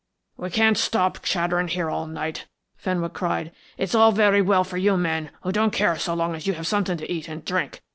"We can't stop chattering here all night," Fenwick cried. "It is all very well for you men, who don't care so long as you have something to eat and drink.